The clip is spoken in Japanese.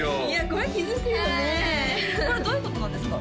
これどういうことなんですか？